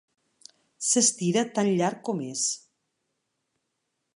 S'estira tan llarg com és.